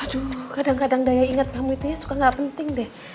aduh kadang kadang daya ingat kamu itu ya suka gak penting deh